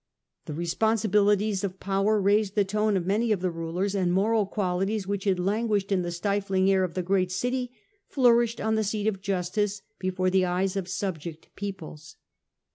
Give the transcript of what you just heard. The responsibilities of power raised the tone of many of the rulers, and moral qualities which had languished in the stifling air of the great city flourished on the seat of justice before the eyes of subject peoples.